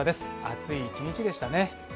暑い一日でしたね。